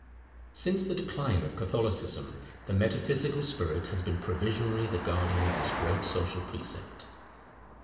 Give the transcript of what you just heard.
Since the decline of Catholicism the metaphysical spirit has been provisionally the guardian of this great social precept.